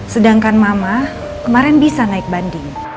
sedangkan mama kemarin bisa naik banding